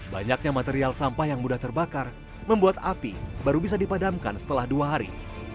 banyaknya material sampah yang mudah terbakar membuat api baru bisa dipadamkan setelah dua hari